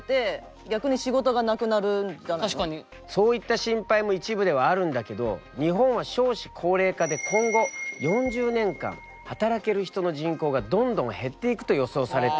そういった心配も一部ではあるんだけど日本は少子高齢化で今後４０年間働ける人の人口がどんどん減っていくと予想されているんだ。